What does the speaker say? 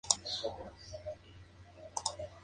Cola larga, graduada, con puntas espinosas.